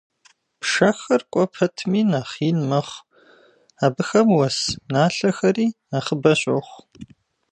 Пшэхэр кӀуэ пэтми нэхъ ин мэхъу, абыхэм уэс налъэхэри нэхъыбэ щохъу.